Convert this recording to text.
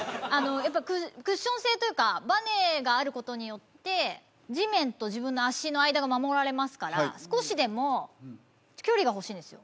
やっぱりクッション性というかバネがあることによって地面と自分の足の間が守られますから少しでも距離が欲しいんですよ